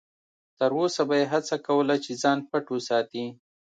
تر وسه به یې هڅه کوله چې ځان پټ وساتي.